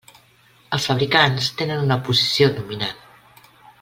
Els fabricants tenen una posició dominant.